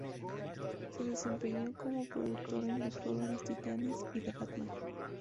Se desempeñó como productor en Los Jóvenes Titanes y The Batman.